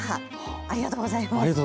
ありがとうございます。